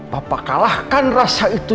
papa kalahkan rasa itu